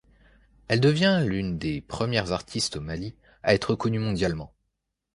Elle devient l'une des premières artistes au Mali à être connue mondialement.